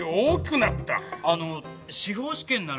あの司法試験なら。